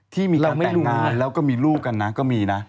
ที่มีการแต่งงานแล้วก็มีลูกกันนะก็มีนะ